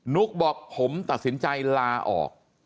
ุ๊กบอกผมตัดสินใจลาออก